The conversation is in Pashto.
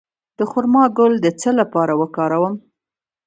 د خرما ګل د څه لپاره وکاروم؟